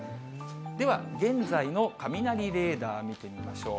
では、現在の雷レーダー見てみましょう。